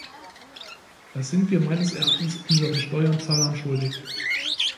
Das sind wir meines Erachtens unseren Steuerzahlern schuldig.